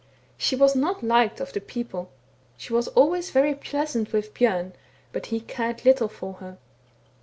She was not liked of the people. She was always very pleasant with Bjorn, but he cared little for her.